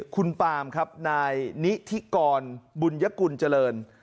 คุณปามครับนายนิธิกรบุญยกุลเจริญ